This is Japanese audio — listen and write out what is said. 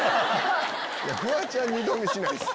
フワちゃん二度見しないっす。